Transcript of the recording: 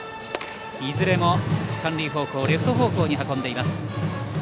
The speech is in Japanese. いずれも三塁方向レフト方向へ運んでいます。